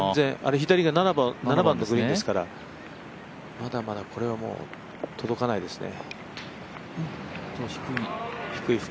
左が７番のグリーンですから、まだまだこれは届かないですね。